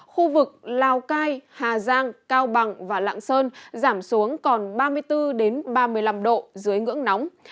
khu vực lào cai hà giang cao bằng và lạng sơn giảm xuống còn ba mươi bốn ba mươi năm độ dưới ngưỡng nóng